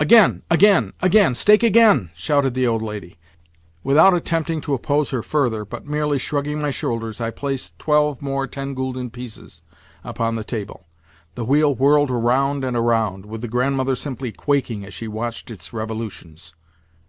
"Again, again, again! Stake again!" shouted the old lady. Without attempting to oppose her further, but merely shrugging my shoulders, I placed twelve more ten gülden pieces upon the table. The wheel whirled around and around, with the Grandmother simply quaking as she watched its revolutions.